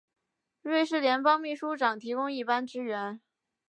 瑞士联邦秘书长提供一般支援。